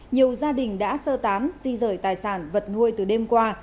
nhiều gia đình đã sơ tán di rời tài sản vật nuôi từ đêm qua